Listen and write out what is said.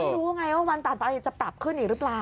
ไม่รู้ไงว่าวันตัดไปจะปรับขึ้นอีกหรือเปล่า